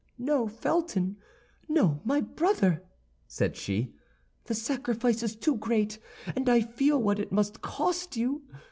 "No, Felton, no, my brother," said she; "the sacrifice is too great, and I feel what it must cost you.